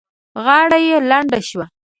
غاړه يې لنده شوه.